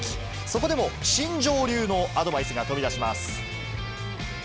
そこでも新庄流のアドバイスが飛び出します。